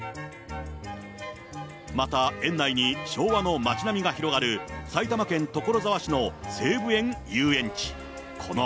また園内に昭和の街並みが広がる、埼玉県所沢市の西武園ゆうえんち。